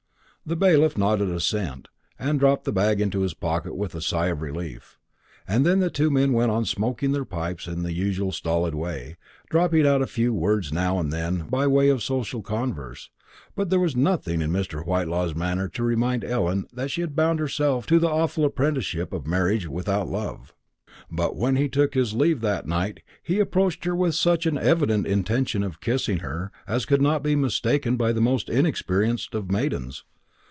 The bailiff nodded assent, and dropped the bag into his pocket with a sigh of relief. And then the two men went on smoking their pipes in the usual stolid way, dropping out a few words now and then by way of social converse; and there was nothing in Mr. Whitelaw's manner to remind Ellen that she had bound herself to the awful apprenticeship of marriage without love. But when he took his leave that night he approached her with such an evident intention of kissing her as could not be mistaken by the most inexperienced of maidens.